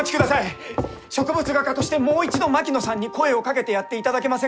植物画家としてもう一度槙野さんに声をかけてやっていただけませんか？